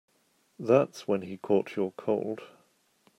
That's when he caught your cold.